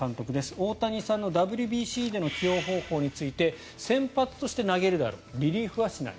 大谷さんのＷＢＣでの起用方法について先発として投げるだろうリリーフはしない。